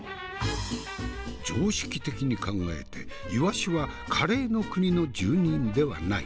常識的に考えてイワシはカレーの国の住人ではない。